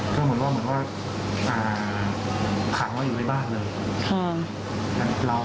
คือเหมือนว่าขังไว้อยู่ในบ้านเลย